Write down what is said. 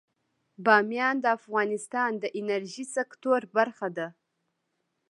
بامیان د افغانستان د انرژۍ سکتور برخه ده.